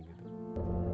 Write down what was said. nah saya berharap bisa